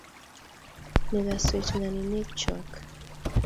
Ne kaswech ng'woninwekyok.